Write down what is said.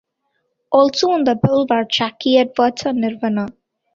Also on the bill were Jackie Edwards and Nirvana.